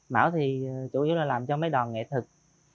mảo thì chủ yếu là làm cho mấy đoàn nghệ thực